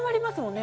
ね